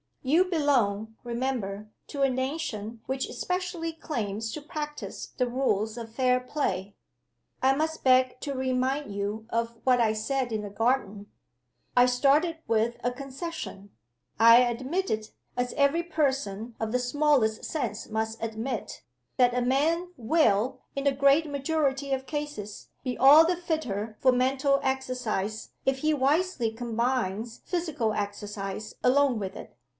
"You belong, remember, to a nation which especially claims to practice the rules of fair play. I must beg to remind you of what I said in the garden. I started with a concession. I admitted as every person of the smallest sense must admit that a man will, in the great majority of cases, be all the fitter for mental exercise if he wisely combines physical exercise along with it.